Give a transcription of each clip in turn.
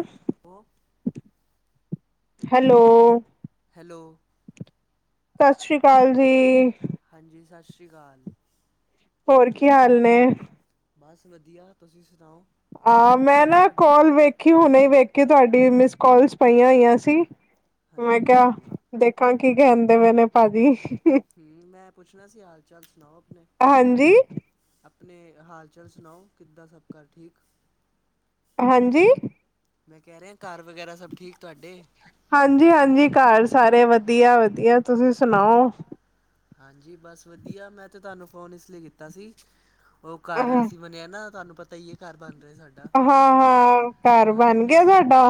ਹਮ ਹੋ hello, hello, ਸਤਿ ਸ਼੍ਰੀ ਅਕਾਲ ਜੀ। ਹਾਂਜੀ ਸਤਿ ਸ਼੍ਰੀ ਅਕਾਲ। ਹੋਰ ਕੀ ਹਾਲ ਨੇ? ਬਸ ਵਧੀਆ ਤੁਸੀਂ ਸੁਣਾਓ? ਘਰ ਅ ਸਭ ਮੈਂ ਠੀਕ ਨਾ ਤੁਹਾਡੇ ਕੋਲ ਵੇ ਖੀ ਹੁਣੇ ਵੇਖ ਕੇ ਤੁਆਡੀ ਮਿਸ ਕੋਲਸ ਪਈਆਂ ਹੋਈਆਂ ਸੀ, ਮੈਂ ਹਾਂਜੀ ਕੇਆ ਹਾਂਜੀ ਦੇਖਾਂ ਕੀ ਕੈਣ ਪੇ ਨੇ ਭਾਜੀ। ਹੂੰ, ਮੈਂ ਪੁੱਛਣਾ ਸੀ ਹਾਲ ਚਾਲ ਸੁਣਾਓ ਆਪਣੇ? ਹਾਂਜੀ, ਆਪਣੇ ਹਾਲ ਚਾਲ ਸੁਣਾਓ ਕੀਦਾਂ ਸਭ ਘਰ ਠੀਕ? ਹਾਂਜੀ? ਮੈਂ ਕੈ ਰੇਹਾ ਘਰ ਵਗੈਰਾ ਸਭ ਠੀਕ ਤੁਆਡੇ? ਹਾਂਜੀ-ਹਾਂਜੀ ਘਰ ਸਾਰੇ ਵਧੀਆ-ਵਧੀਆ ਤੁਸੀਂ ਸੁਣਾਓ? ਹਾਂਜੀ ਬਸ ਵਧੀਆ ਮੈਂ ਤਾਂ ਤੁਹਾਨੂੰ ਫ਼ੋਨ ਏਸ ਲੀ ਕੀਤਾ ਸੀ ਓ ਘਰ ਹਾਂ, ਅਸੀਂ ਵਨੇਆ ਨਾ ਤੁਆਨੂੰ ਪਤਾ ਈ ਐ ਘਰ ਬਣ ਰਏ ਸਾ ਹਾਂ-ਹਾਂ ਘਰ ਬਣ ਗਿਆ ਤੁਡਾ,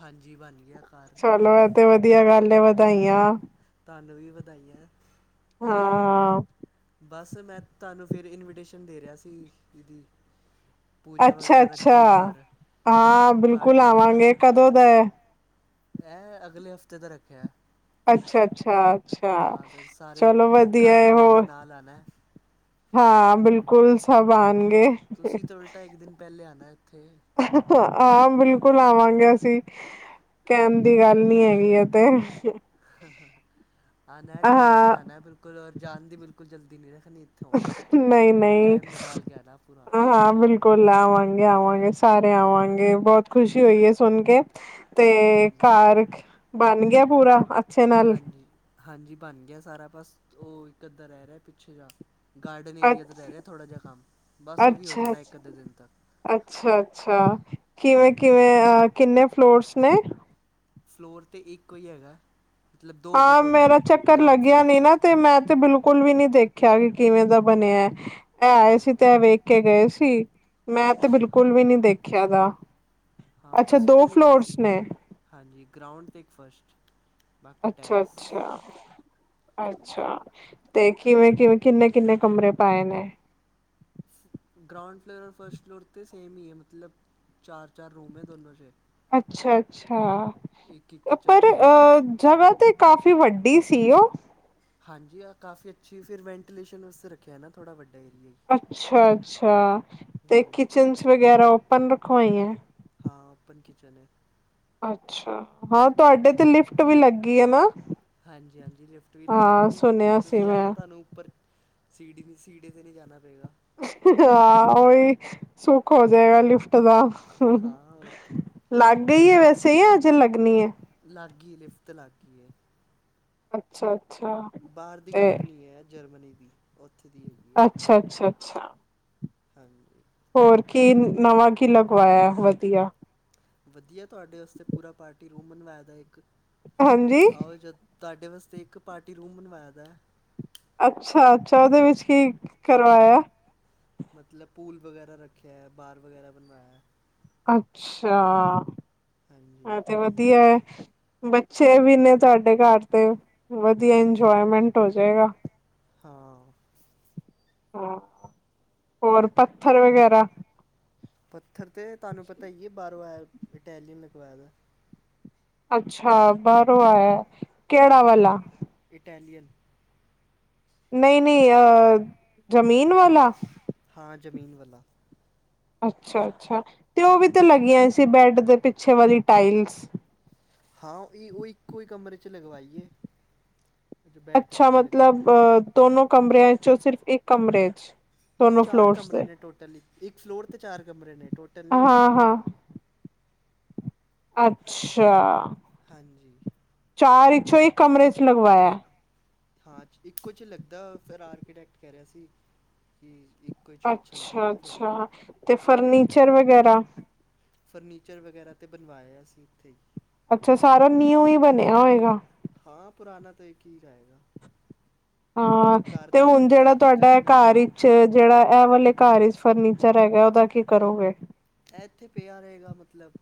ਹਾਂਜੀ ਬਣ ਗਿਆ ਘਰ ਚਲੋ ਅ ਤੇ ਵਧੀਆ ਗੱਲ ਐ ਵਧਾਈਆਂ ਧਾਨੂੰ ਵੀ ਵਧਾਈਆਂ ਹਾਂ ਬਸ ਮੈਂ ਧਾਨੂੰ ਫੇਰ ਇਨਵੀਟੇਸ਼ਨ ਦੇ ਰਿਹਾ ਸੀ ਦੀਦੀ ਪੂਜਾ ਅੱਛਾ, ਵਗੈਰਾ ਰੱਖੀ ਅੱਛਾ। ਘਰ, ਹਾਂ ਪਾਠ ਬਿਲਕੁਲ ਵਗੈਰਾ। ਆਵਾਂਗੇ ਕਦੋਂ ਦਾ ਐ? ਮੈਹਾ ਅਗਲੇ ਹਫ਼ਤੇ ਦਾ ਰੱਖੇਆ। ਅੱਛਾ-ਅੱਛਾ-ਅੱਛਾ ਤੇ ਸਾਰੇ ਚਲੋ ਵਧੀਆ ਘਰ ਵਾਲਿਆਂ ਹੋਰ [inaudible] ਹਾਂ ਬੇਲਕੁਲ ਸਭ ਆਣਗੇ। ਤੁਸੀਂ ਤਾਂ ਉਲਟਾ ਏਕ ਦੇਨ ਪੈਲੇ ਆਣਾ ਏਥੇ। ਆ ਬੇਲਕੁਲ ਆਵਾਂਗੇ ਅਸੀਂ ਟੈਮ ਦੀ ਗੱਲ ਈ ਹੈਗੀ ਏ ਤੇ। ਆਨੈ ਟੈਮ ਸੀਰ ਹਾਂ ਆਨੈ ਬੇਲਕੁਲ ਔਰ ਜਣ ਦੀ ਬੇਲਕੁਲ ਜਲਦੀ ਨੀ ਨਈ-ਨਈ, ਨਿਕਾਲ ਕੇ ਆਣਾ ਪੂਰਾ ਹਾਂ ਬੇਲ ਕੋਲਾ ਆਵਾਂਗੇ-ਆਵਾਂਗੇ ਸਾਰੇ ਆਵਾਂਗੇ ਬੋਤ ਖੁਸ਼ੀ ਹੋਈ ਐ ਸੁਣ ਕੇ ਤੇ ਹਾਂਜੀ ਘਰ ਬਣ ਗੇਆ ਪੂਰਾ? ਅੱਛੇ ਨਾਲ ਹਾਂਜੀ-ਹਾਂਜੀ ਬਣ ਗੇਆ ਸਾਰਾ ਬਸ ਓ ਇੱਕ ਅੱਧਾ ਰੈ ਰੇਆ ਪੀਛੇ ਜਾ ਗਾਰਡਨ ਏਰੀਆ ਅੱਛ ਰੈ ਰੇਆ ਥੋੜਾ ਜਾ ਕੰਮ, ਬਸ ਓ ਵੀ ਹੋ ਅੱਛਾ-ਅੱਛਾ, ਜਾਣਾ ਇੱਕ ਅੱਧੇ ਦੇਨ ਤੱਕ। ਅੱਛਾ-ਅੱਛਾ, ਹਾਂਜੀ ਕਿਵੇਂ-ਕਿਵੇਂ ਆ ਕਿੰਨੇ ਫਲੋਰਸ ਨੇ? ਫਲੋਰ ਤੇ ਈਕੋ ਈ ਹੈਗਾ। ਮਤਲਬ ਦੋ ਹੋ ਗਏ ਆਂ ਟੋਟਲ ਮੇਰਾ ਚੱਕਰ ਗਰਾਊਂਡ ਲੱਗੇਆ ਫਲੋਰ ਨੀ ਨਾ ਫਸਟ ਤੇ ਫਲੋਰ ਮੈਂ ਤੇ ਬੇਲਕੁਲ ਵੀ ਨੀ ਦੇਖਿਆ ਕੇ ਕੇਵੇਂ ਦਾ ਬਨੇਆ ਐ, ਆਏ ਸੀ ਹਾਂ ਤੇ ਏ ਵੇਖ ਕੇ ਗਏ ਸੀ। ਮੈਂ ਤੇ ਅੱਛਾ ਹਾਂ ਬੇਲਕੁਲ ਵੀ ਨਈ ਹਾਂ ਦੇਖੇਆ ਦਾ, ਹਾਂ ਅੱਛਾ ਤੁਸੀਂ ਦੋ ਤਾਂ ਨਹੀਂ ਆਏ ਫਲੋਰਸ ਸੀ ਨੇ? ਹਾਂਜੀ ਗਰਾਊਂਡ ਤੇ ਏ ਫਸਟ। ਬਾਕੀ ਟੈਰੇਸ ਅੱਛਾ-ਅੱਛਾ ਅੱਛਾ ਤੇ ਕੇਵੇਂ-ਕੇਵੇਂ ਕੀਨੇ-ਕੀਨੇ ਕਮਰੇ ਪਾਏ ਨੇ? ਗਰਾਊਂਡ ਫਲੋਰ ਫਸਟ ਫਲੋਰ ਤਾਂ ਸੇਮ ਹੀ ਐ ਮਤਲਬ ਚਾਰ-ਚਾਰ ਰੂਮ ਐ ਦੋਨਾਂ ਚ। ਇੱਕ ਇੱਕ ਅੱਛਾ-ਅੱਛਾ ਕਿਚਨ ਪਰ ਹੋ ਗਈ ਆ ਜਗਾ ਤੇ ਕਾਫੀ ਵੱਡੀ ਸੀ ਓ। ਹਾਂਜੀ ਆ ਕਾਫੀ ਅੱਛੀ ਫੇਰ ਵੈਂਟੀਲੇਸ਼ਨ ਵਾਸਤੇ ਰੱਖੇਆ ਨਾ ਥੋੜਾ ਵੱਡਾ ਏਰੀਆ ਈ ਅੱਛਾ-ਅੱਛਾ ਤੇ ਹੂੰ ਕਿਚਨਸ ਵਗੈਰਾ ਓਪਨ ਰਖਵਾਈ ਐ? ਹਾਂ ਓਪਨ ਕਿਚਨ ਐ। ਅੱਛਾ ਹਾਂ ਤੁਹਾਡੇ ਤੇ ਲਿਫਟ ਵੀ ਲੱਗੀ ਆ ਨਾ। ਹਾਂਜੀ ਹਾਂਜੀ ਲਿਫਟ ਵੀ ਲੱਗ ਹਾਂ ਗਈ ਹੈ ਸੁਣਿਆ ਹੁਣ ਸੀ ਤੁਸੀਂ ਆ ਨਾ ਮੈਂ ਤੁਹਾਨੂੰ ਉੱਪਰ ਸੀਡੀ ਸੀਡੀ ਤੇ ਨਹੀਂ ਜਾਣਾ ਪਏਗਾ। ਹਾਂ ਉਹੀ ਸੁੱਖ ਹੋ ਜਾਏਗਾ ਲਿਫਟ ਦਾ। ਹਾਂ ਹੋਰ ਕੀ ਲੱਗ ਗਈ ਹੈ ਵੈਸੇ ਹੀ ਆ ਅਜੇ ਲੱਗਣੀ ਹੈ। ਲਾਗੀ ਲਿਫਤ ਲਾਗੀ ਹੈ। ਅੱਛਾ ਅੱਛਾ। ਬਾਹਰ ਦੀ ਤੇ ਕੰਪਨੀ ਹੈ ਜਰਮਨੀ ਦੀ ਉੱਥੇ ਦੀ ਹੈ। ਅੱਛਾ ਅੱਛਾ ਅੱਛਾ। ਹਾਂਜੀ। ਹੋਰ ਕੀ ਨਵਾਂ ਕੀ ਲੱਗ ਵਾਇਆ ਵਧੀਆ। ਵਧੀਆ ਤੁਹਾਡੇ ਵਾਸਤੇ ਪੂਰਾ ਪਾਰਟੀ ਰੂਮ ਬਨਵਾਏ ਦਾ ਇੱਕ ਹਾਂਜੀ ਆਓ ਜਦੋਂ ਤੁਹਾਡੇ ਵਾਸਤੇ ਇੱਕ ਪਾਰਟੀ ਰੂਮ ਬਣਵਾਇਆ ਦਾ। ਅੱਛਾ ਅੱਛਾ ਉਹਦੇ ਵਿੱਚ ਕੀ ਕਰਵਾਇਆ। ਮਤਲਬ ਪੂਲ ਵਗੈਰਾ ਰੱਖਿਆ ਹੈ ਬਾਰ ਵਗੈਰਾ ਬਣਵਾਇਆ ਹੈ। ਅੱਛਾ ਹਾਂਜੀ ਐ ਤੇ ਵਧੀਆ ਹੈ ਬੱਚੇ ਵੀ ਨੇ ਤੁਹਾਡੇ ਘਰ ਤੇ ਵਧੀਆ ਹੋਰ ਕੀ ਇੰਜੋਏਮੈਂਟ ਹੋ ਜਾਏਗਾ ਹਾਂ ਹਾਂ ਹੋਰ ਪੱਥਰ ਵਗੈਰਾ ਪੱਥਰ ਤਾਂ ਤੁਹਾਨੂੰ ਪਤਾ ਇ ਹੈ ਬਾਹਰੋਂ ਆਇ ਇਟੈਲੀਅਨ ਲਗਵਾਏ ਦਾ ਅੱਛਾ ਬਾਹਰੋਂ ਆਇਆ ਕਿਹੜਾ ਆਹੋ ਵਾਲਾ ਇਟਲੀਅਨ ਨਹੀਂ-ਨਹੀਂ ਅ ਜ਼ਮੀਨ ਵਾਲਾ ਹਾਂ ਜ਼ਮੀਨ ਵਾਲਾ ਅੱਛਾ-ਅੱਛਾ ਤੇ ਉਹ ਵੀ ਤੇ ਲੱਗੀਆਂ ਸੀ ਬੈਡ ਦੇ ਪਿੱਛੇ ਵਾਲੀ ਟਾਈਲਸ ਹਾਂ ਉਹ-ਉਹ ਇੱਕੋ ਹੀ ਕਮਰੇ 'ਚ ਲਗਵਾਈਏ ਜੋ ਬੈੱਡ ਦੇ ਅੱਛਾ ਪਿੱਛੇ ਮਤਲਬ ਲੱਗੇਗੀ ਦੋਨੋ ਕਮਰਿਆਂ ਚ ਉਹ ਸਿਰਫ਼ ਇੱਕ ਕਮਰੇ 'ਚ ਨਹੀਂ ਦੋਨੋ ਚਾਰ ਫਲੋਰਸ ਦੇ ਕਮਰੇ ਨੇ ਟੋਟਲ ਇੱਕ ਫਲੋਰ 'ਤੇ ਚਾਰ ਕਮਰੇ ਨੇ ਟੋਟਲ ਨਹੀਂ ਹਾਂ ਹਾਂ ਅੱਛਾ ਹਾਂਜੀ ਚਾਰ ਇੱਛੋਂ ਹੀ ਕਮਰੇ ਚ ਲਗਵਾਇਆ ਹਾਂ ਇੱਕੋ ਚ ਲੱਗਦਾ ਫਿਰ ਆਰਕੀਟੈਕਟ ਕਹਿ ਰਿਹਾ ਸੀ ਕੀ ਇੱਕੋ ਹੀ 'ਚ ਅੱਛਾ ਲੱਗੇਗਾ ਫਿਰ ਅੱਛਾ-ਅੱਛਾ ਤੇ ਫਰਨੀਚਰ ਵਗੈਰਾ ਫਰਨੀਚਰ ਵਗੈਰਾ 'ਤੇ ਬਣਵਾਇਆ ਸੀ ਇੱਥੇ ਅੱਛਾ ਸਾਰਾ ਨਿਊ ਹੀ ਬਣਿਆ ਹੋਏਗਾ ਹਾਂ ਪੁਰਾਣਾ ਤਾਂ ਇੱਕ ਹੀ ਜਾਏਗਾ ਹਾਂ ਤੇ ਹੁਣ ਜਿਹੜਾ ਸਾਰੀ ਤੁਹਾਡਾ ਚੀਜ਼ਾਂ ਹੈ ਵੀ ਨਵਾਂ ਹੀ ਘਰ ਜਿਹੜਾ ਇਹ ਵਾਲੇ ਘਰ ਫਰਨੀਚਰ ਹੈਗਾ ਉਹਦਾ ਕੀ ਕਰੋਗੇ ਇਹ ਇੱਥੇ ਪਿਆ ਰਹੇਗਾ ਮਤਲਬ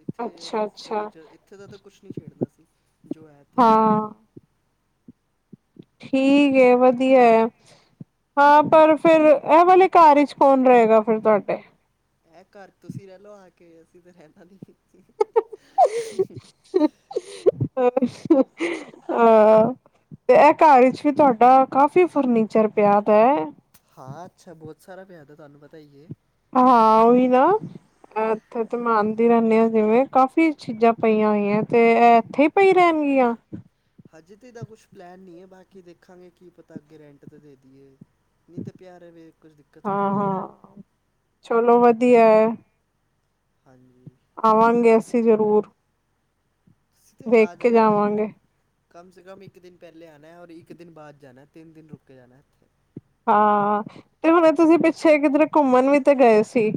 ਇੱਥੇ ਤੇ ਅੱਛਾ ਅੱਛਾ ਫਰਨੀਚਰ ਇੱਥੇ ਦਾ ਤਾਂ ਕੁਛ ਨਹੀਂ ਛੇਡਨਾ ਸੀ ਜੋ ਹੈ ਇੱਥੇ ਪਿਆ ਹਾਂ ਹੈਗਾ ਠੀਕ ਐ ਵਧੀਆ ਹੈ ਹਾਂ ਪਰ ਫਿਰ ਇਹ ਵਾਲੇ ਘਰ ਵਿਚ ਕੌਣ ਰਹੇਗਾ ਫਿਰ ਤੁਹਾਡੇ ਇਹ ਘਰ ਤੁਸੀਂ ਲੇ ਲੋ ਆ ਕੇ ਅਸੀਂ ਤੇ ਰਹਿਣਾ ਨੀ ਅੱਛਾ ਹਾਂ ਤੇ ਇਹ ਘਰ ਵਿਚ ਵੀ ਤੁਹਾਡਾ ਕਾਫੀ ਫਰਨੀਚਰ ਪਿਆ ਦਾ ਹੈ ਹਾਂ ਅੱਛਾ ਬਹੁਤ ਸਾਰਾ ਪਿਆਦਾ ਤੁਹਾਨੂੰ ਪਤਾ ਹੀਏ ਹਾਂ ਉਹੀ ਨਾ ਇੱਥੇ ਤੇ ਮੈ ਆਨਦੀ ਰਹਿੰਦੇ ਆਾਂ ਜਿਵੇਂ ਕਾਫ਼ੀ ਚੀਜ਼ਾਂ ਪਈਆਂ ਹੋਈਆਂ ਤੇ ਐ ਇੱਥੇ ਪਈ ਰਹਿਣਗੀਆਂ ਅਜੇ ਤਾਂ ਇਹਦਾ ਕੁਛ ਪਲੈਨ ਨਹੀਂ ਹੈ ਬਾਕੀ ਦੇਖਾਂਗੇ ਕੀ ਪਤਾ ਅੱਗੇ ਰੈਂਟ ਤਾਂ ਦੇ ਦੀਈਏ ਨਹੀਂ ਤਾਂ ਪਿਆ ਰਵੇ ਕੁਛ ਦਿੱਕਤ ਤੁਡੀ ਹਾਂ ਨਾ ਹਾਂ ਚਲੋ ਵਧੀਆ ਹੈ ਹਾਂਜੀ ਆਵਾਂਗੇ ਅਸੀਂ ਜ਼ਰੂਰ ਵੇਖ ਆ ਕੇ ਜਾਨਾ ਇੱਕ ਜਾਵਾਂਗੇ ਕਮ ਸੇ ਕਮ ਇੱਕ ਦਿਨ ਪਹਿਲੇ ਆਣਾ ਔਰ ਇੱਕ ਦਿਨ ਬਾਅਦ ਜਾਣਾ ਹੈ ਤਿੰਨ ਦਿਨ ਰੁਕ ਕੇ ਜਾਨਾ ਹੈੱ ਹਾਂ, ਤੇ ਹੁਣੇ ਤੁਸੀਂ ਪਿੱਛੇ ਕਿੱਧਰ ਘੁੰਮਣ ਵੀ ਤੇ ਗਏ ਸੀ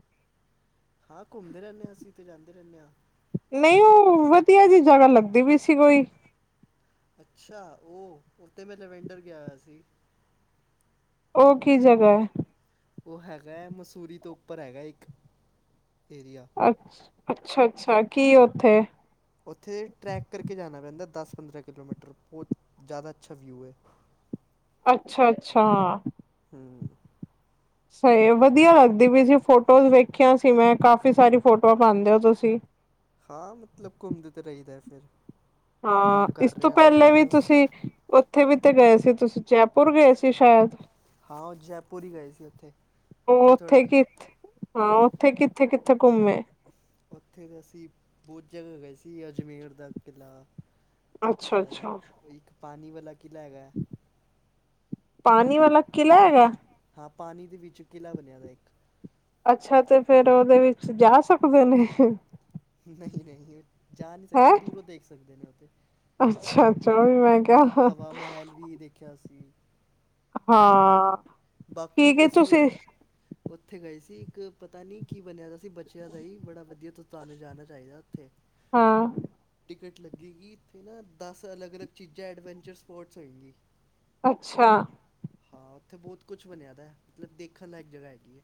ਹਾਂ ਘੁੰਮਦੇ ਰਹਿੰਦੇ ਹਾਂ ਅਸੀਂ ਤੇ ਜਾਂਦੇ ਰਹਿੰਦੇ ਹਾਂ ਨਹੀਂ ਉਹ ਵਧੀਆ ਜਿਹੀ ਜਗ੍ਹਾ ਲੱਗਦੀ ਵੀ ਸੀ ਕੋਈ ਅੱਛਾ! ਉਹ ਉੱਥੇ ਮੈਂ ਲੈਵੈਂਡਰ ਗਿਆ ਹੋਇਆ ਸੀ ਉਹ ਕੀ ਜਗ੍ਹਾ ਹੈ ਉਹ ਹੈਗਾ ਹੈ ਮਸੂਰੀ ਤੋਂ ਉੱਪਰ ਹੈਗਾ ਇੱਕ ਏਰੀਆ ਅੱ ਅੱਛਾ-ਅੱਛਾ ਕੀ ਉੱਥੇ ਉੱਥੇ ਟਰੈਕ ਕਰਕੇ ਜਾਣਾ ਪੈਂਦਾ ਦਸ ਪੰਦਰਾਂ ਕਿਲੋਮੀਟਰ ਬਹੁਤ ਜ਼ਿਆਦਾ ਅੱਛਾ ਵਿਊ ਹੈ ਅੱਛਾ ਅੱਛਾ। ਹਮਮਮ ਸਹੀ ਏ ਵਧੀਆ ਲੱਗਦੀ ਪਈ ਸੀ ਫੋਟੋਜ਼ ਵੇਖਿਆ ਸੀ ਮੈਂ ਕਾਫ਼ੀ ਸਾਰੀ ਫੋਟੋਆਂ ਪਾਉਂਦੇ ਹੋ ਤੁਸੀਂ। ਹਾਂ ਮਤਲਬ ਘੁੰਮਦੇ ਤਾਂ ਰਹੀਦਾ ਏ ਫਿਰ। ਹਾਂ, ਕੰਮ ਇਸ ਕਰ ਤੋਂ ਰਹੇ ਹਾਂ ਤੇ ਪਹਿਲੇ ਵੀ ਘੁੰਮਣ ਤੁਸੀਂ ਉੱਥੇ ਵੀ ਤੇ ਗਏ ਸੀ ਤੁਸੀਂ ਜੈਪੁਰ ਗਏ ਸੀ ਸ਼ਾਇਦ। ਹਾਂ ਉਹ ਜੈਪੁਰ ਹੀ ਗਏ ਸੀ ਉੱਥੇ, ਉਹ ਉੱਥੇ ਥੋੜ੍ਹਾ ਕਿ ਹਾਂ, ਉੱਥੇ ਕਿੱਥੇ ਕਿੱਥੇ ਘੁੰਮੇ? ਉੱਥੇ ਤਾਂ ਅਸੀਂ ਬਹੁਤ ਜਗ੍ਹਾ ਗਏ ਸੀ ਅਜਮੇਰ ਦਾ ਕਿਲ੍ਹਾ ਅੱਛਾ ਅੱਛਾ। ਇੱਕ ਪਾਣੀ ਵਾਲਾ ਕਿਲ੍ਹਾ ਹੈਗਾ। ਪਾਣੀ ਵਾਲਾ ਕਿਲਾ ਹੈਗਾ। ਹਾਂ ਪਾਣੀ ਦੇ ਵਿੱਚ ਕਿਲ੍ਹਾ ਬਣਿਆ ਦਾ ਇੱਕ। ਅੱਛਾ ਤੇ ਫੇਰ ਉਹਦੇ ਵਿੱਚ ਜਾ ਸਕਦੇ ਨੇ। ਨਹੀਂ ਨਹੀਂ ਜਾ ਨਹੀਂ ਸਕਦੇ ਹੈਂ ਦੂਰੋਂ ਦੇਖ ਸਕਦੇ ਨੇ ਉੱਥੇ। ਅੱਛਾ ਅੱਛਾ ਵੀ ਮੈਂ ਕਿਹਾ ਹਵਾ ਮਹਿਲ ਵੀ ਦੇਖਿਆ ਸੀ। ਹਾਂ। ਬਾਕੀ ਠੀਕ ਇੱਕ ਹੈ ਅਸੀਂ ਤੁਸੀਂ ਉੱਥੇ ਗਏ ਸੀ ਇੱਕ ਪਤਾ ਨਹੀਂ ਕੀ ਬਣਿਆ ਦਾ ਸੀ, ਬੱਚਿਆਂ ਦਾ ਹੀ ਬੜਾ ਵਧੀਆ ਤੁਹਾਨੂੰ ਜਾਣਾ ਚਾਹੀਦਾ ਉੱਥੇ। ਹਾਂ। ਟਿਕਟ ਲੱਗੇਗੀ ਉੱਥੇ ਨਾ ਦਸ ਅਲੱਗ ਅਲੱਗ ਚੀਜ਼ਾਂ ਐਡਵੈਂਚਰ ਸਪੋਟਸ ਹੈਗੀ। ਅੱਛਾ। ਹਾਂ ਉੱਥੇ ਬਹੁਤ ਕੁਛ ਬਣਿਆ ਦਾ, ਮਤਲਬ ਦੇਖਣ ਲਾਇਕ ਜਗ੍ਹਾ ਹੈਗੀ ਏ।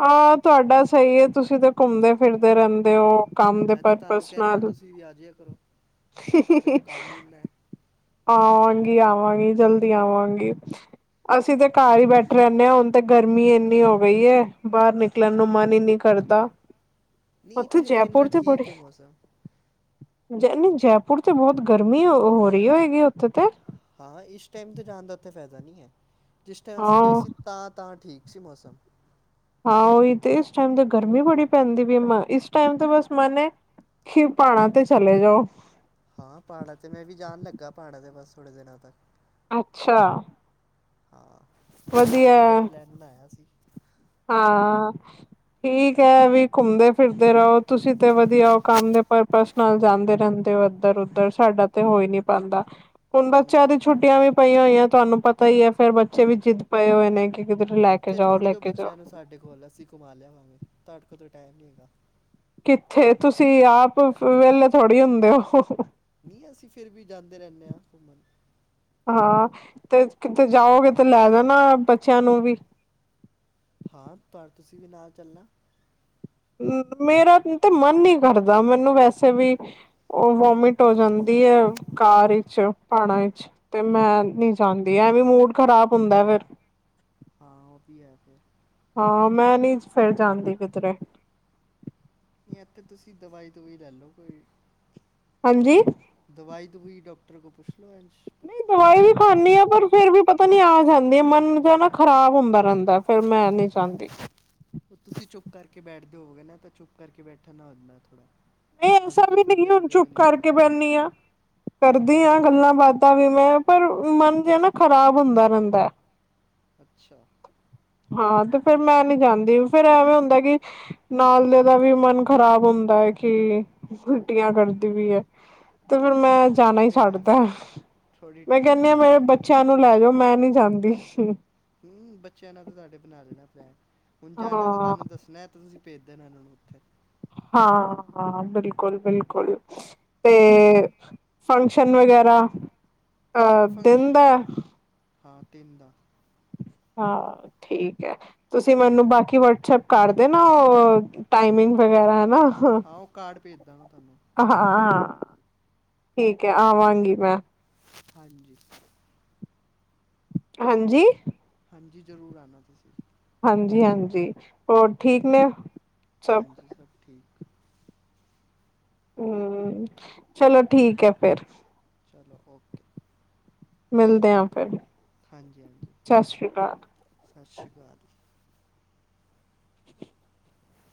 ਹਾਂ ਤੁਹਾਡਾ ਸਹੀ ਏ, ਤੁਸੀਂ ਤੇ ਘੁੰਮਦੇ ਫਿਰਦੇ ਰਹਿੰਦੇ ਓ। ਕੰਮ ਦੇ ਮੈਂ ਤਾਂ ਤੁਹਾਨੂੰ ਪਰਪਜ਼ ਕਹਿਣਾ ਨਾਲ। ਤੁਸੀਂ ਵੀ ਆ ਜਾਇਆ ਕਰੋ ਤੁਹਾਡੇ ਕੋਲ ਕੰਮ ਹੀ ਇੰਨਾ ਹੈ ਆਵਾਂਗੀ ਆਵਾਂਗੀ ਜਲਦੀ ਆਵਾਂਗੀ। ਅਸੀਂ ਤੇ ਘਰ ਹੀ ਬੈਠੇ ਰੈਂਦੇ ਹਾਂ ਹੁਣ ਤੇ ਗਰਮੀ ਇੰਨੀ ਹੋ ਗਈ ਏ ਬਾਰ ਨਿਕ ਨਿਕਲਣ ਨੂੰ ਮਨ ਹੀ ਨਹੀਂ ਕਰਦਾ, ਨਹੀਂ ਉੱਥੇ ਇੱਥੇ ਤਾਂ ਇੰਨਾ ਜੈਪੁਰ ਤੇ ਬੜੀ ਠੀਕ ਹੈ ਮੌਸਮ ਜੈ ਨਹੀਂ ਜੈਪੁਰ ਤੇ ਬੋਤ ਗਰਮੀ ਹੋ ਰਹੀ ਹੋਏਗੀ ਉੱਥੇ ਤੇ। ਹਾਂ ਇਸ ਟਾਈਮ ਤੋਂ ਜਾਣ ਦਾ ਉੱਥੇ ਫਾਇਦਾ ਨਹੀਂ ਏ, ਜਿਸ ਟੈਮ ਅਸੀਂ ਗਏ ਹਾਂ ਸੀ ਤਾਂ ਤਾਂ ਠੀਕ ਸੀ ਮੌਸਮ। ਹਾਂ ਉਹੀ ਤੇ ਇਸ ਟਾਈਮ ਤੇ ਗਰਮੀ ਬੜੀ ਪੈਂਦੀ ਪਈ ਏ, ਇਸ ਟੈਮ ਤੇ ਬਸ ਮਨ ਏ ਕੀ ਪਹਾੜਾਂ ਤੇ ਚਲੇ ਜਾਓ। ਹਾਂ ਪਹਾੜਾਂ ਤੇ ਮੈਂ ਵੀ ਜਾਣ ਲੱਗਾ ਪਹਾੜਾਂ ਤੇ ਬਸ ਥੋੜੇ ਦਿਨਾਂ ਤੱਕ। ਅੱਛਾ। ਹਾਂ ਵਧੀਆ ਫਲੀ ਦਾ ਪਲੈਨ ਬਣਾਇਆ ਸੀ। ਹਾਂ ਠੀਕ ਐ ਵੀ ਘੁੰਮਦੇ ਫਿਰਦੇ ਰਹੋ। ਤੁਸੀਂ ਤੇ ਵਧੀਆ ਓ, ਕੰਮ ਦੇ ਪਰਪਸ ਨਾਲ ਜਾਂਦੇ ਰੈਂਦੇ ਹੋ ਇੱਧਰ ਉੱਧਰ। ਸਾਡਾ ਤੇ ਹੋ ਹੀ ਨਹੀਂ ਪਾਂਦਾ, ਹੁਣ ਬੱਚਿਆਂ ਦੀ ਹੂੰ ਛੁੱ ਛੁੱਟੀਆਂ ਵੀ ਪਈਆਂ ਹੋਈਆਂ, ਤੁਹਾਨੂੰ ਪਤਾ ਹੀ ਐ ਫੇਰ ਬੱਚੇ ਵੀ ਜਿੱਦ ਪਏ ਹੋਏ ਨੇ ਕਿ ਕਿੱਧਰ ਲੈ ਕੇ ਇੱਥੇ ਜਾਓ ਛੋੜ ਲੈ ਜੋ ਕੇ ਜਾਓ ਬੱਚਿਆਂ ਨੂੰ ਸਾਡੇ ਕੋਲ ਅਸੀਂ ਘੁੰਮਾ ਲਿਆਵਾਂਗੇ, ਤੁਹਾਡੇ ਕੋਲ ਤੇ ਟਾਈਮ ਨਹੀਂ ਹੈਗਾ। ਕਿੱਥੇ ਤੁਸੀਂ ਆਪ ਵੇਹਲੇ ਥੋੜ੍ਹੀ ਹੁੰਦੇ ਹੋ। ਨਹੀਂ ਅਸੀਂ ਫਿਰ ਵੀ ਜਾਂਦੇ ਰੈਂਦੇ ਆ ਘੁੰਮਣ। ਹਾਂ ਤੇ ਕਿਤੇ ਜਾਉਗੇ ਤੇ ਕਿਤੇ ਲੈ ਜਾਣਾ ਬੱਚਿਆਂ ਨੂੰ ਵੀ। ਹਾਂ ਤੁ ਤੁਸੀਂ ਵੀ ਨਾਲ ਚੱਲਣਾ। ਮੇਰਾ ਤੇ ਮਨ ਨੀ ਕਰਦਾ, ਮੈਨੂੰ ਵੈਸੇ ਵੀ ਉਹ ਵੋਮਿਟ ਹੋ ਜਾਂਦੀ ਆ। ਕਾਰ ਵਿਚ, ਪਹਾੜਾਂ ਵਿਚ ਤੇ ਮੈਂ ਨੀ ਜਾਂਦੀ ਐਵੇਂ ਮੂਡ ਖਰਾਬ ਹੁੰਦਾ ਫਿਰ। ਹਾਂ ਉਹ ਵੀ ਹੈ ਫਿਰ। ਹਾਂ ਮੈਂ ਨੀ ਫਿਰ ਜਾਂਦੀ ਕਿਧਰੇ। ਨੀ, ਐਥੇ ਤੁਸੀਂ ਦਵਾਈ -ਦਵੂਈ ਲੈ ਲਓ ਕੋਈ। ਹਾਂਜੀ। ਦਵਾਈ - ਦਵੂਈ ਡਾਕਟਰ ਕੋ ਪੁੱਛ ਲਓ, ਐਂਜ ਕਿਉਂ ਹੁੰਦੈ? ਫਿਰ ਵੀ ਪਤਾ ਨੀ ਆ ਜਾਂਦੀ। ਮਨ ਜੋ ਨਾ ਖ਼ਰਾਬ ਹੁੰਦਾ ਰੈਂਦਾ। ਫਿਰ ਮੈਂ ਨੀ ਚਾਂਦੀ। ਹੁਣ, ਤੁਸੀਂ ਚੁੱਪ ਕਰਕੇ ਬੈਠਦੇ ਹੋਵੋਗੇ ਨਾ, ਤਾਂ ਚੁੱਪ ਕਰਕੇ ਬੈਠ ਨ ਨਾਲ ਹੁੰਦੈ ਥੋੜ੍ਹਾ। ਨੀ ਐਸਾ ਵੀ ਨੀ। ਹੁਣ ਚੁੱਪ ਕਰਕੇ ਬੈਨੀਂ ਆ, ਕਰਦੀ ਆ ਹਾਂਜੀ ਗੱਲਾਂ ਬਾਤ। ਤਾਂ ਵੀ ਮੈਂ ਪਰ, ਮਨ ਜਿਹਾ ਨਾ ਖ਼ਰਾਬ ਹੁੰਦਾ ਰੈਂਦੈਂ। ਅੱਛਾ। ਹਾਂ, ਤੇ ਫੇਰ ਮੈਂ ਨੀ ਜਾਂਦੀ। ਫੇਰ ਐਵੇਂ ਹੁੰਦਾ ਕਿ ਨਾਲ ਦੇ ਦਾ ਵੀ ਮਨ ਖ਼ਰਾਬ ਹੁੰਦਾ ਏ, ਕਿ ਉਲਟੀਆਂ ਕਰਦੀ ਪਈ ਐ। ਤੇ ਫਿਰ ਮੈਂ ਹਾਂ ਉਹ ਜਾਨਾ ਈ ਤੇ ਹੈ ਛੱਡਤਾ। ਫਿਰ ਥੋੜੀ ਮੈਂ ਟ੍ਰਿਪ ਕੈਨੀ ਆ ਕਿ ਖਰਾਬ ਹੋ ਮੇਰੇ ਜਾਂਦੀ ਹੈ ਬੱਚਿਆਂ ਨੂੰ ਲੈ ਜਓ ਮੈਂ ਨੀ ਜਾਂਦੀ ਸ਼ੂ ਹੂੰ, ਬੱਚਿਆਂ ਨਾਲ ਤਾਂ ਤੁਹਾਡੇ ਬਣਾ ਦੇਣੈ ਪਲੈਨ, ਹੁਣ ਜਾਨਾ ਤੇ ਹਾਂ ਤੁਹਾਨੂੰ ਦੱਸਣੈ। ਤੁਸੀਂ ਭੇਜ ਦੇਨਾ ਇੰਨ੍ਹਾ ਨੂੰ ਉੱਥੇ। ਹਾਂ ਹਾਂ, ਬਿਲਕੁਲ- ਬਿਲਕੁਲ। 'ਤੇ ਫੰਕਸ਼ਨ ਵਗੈਰਾ ਹਾਂ, ਅ ਫੰਕਸ਼ ਦਿਨ ਦਾ ਹਾਂ ਤਿੰਨ ਦਾ। ਹਾਂ, ਠੀਕ ਐ। ਤੁਸੀਂ ਮੈਨੂੰ ਬਾਕੀ ਵਟਸਐਪ ਕਰ ਦੇਨਾ, ਉਹ ਟਾਈਮਿੰਗ ਵਗੈਰਾ ਹਨਾ। ਹਾਂ, ਉਹ ਕਾਰਡ ਭੇਜਦਾਂਗਾ ਤੁਹਾਨੂੰ। ਅ ਹਾਂ ਹਾਂ, ਠੀਕ ਐ ਆਵਾਂਗੀ ਮੈਂ। ਹਾਂਜੀ। ਹਾਂ, ਜੀ। ਹਾਂਜੀ, ਜ਼ਰੂਰ ਆਨਾ ਤੁਸੀਂ। ਹਾਂਜੀ -ਹਾਂਜੀ, ਹੋਰ ਠੀਕ ਨੇ। ਹਾਂਜੀ, ਸਭ ਠੀਕ। ਹੂੰ, ਚਲੋ ਠੀਕ ਐ ਫਿਰ। ਚਲੋ ਓਕੇ! ਮਿਲਦੇ ਆ ਫਿਰ। ਹਾਂਜੀ -ਹਾਂਜੀ, ਸਤਿ ਸ੍ਰੀ ਅਕਾਲ ਸਤਿ ਸ੍ਰੀ ਅਕਾਲ।